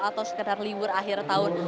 atau sekedar libur akhir tahun